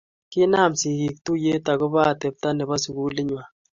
Kinam sikiik tuye ak kobo atepta nebo sukulit ngwang